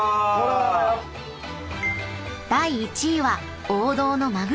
［第１位は王道のまぐろ］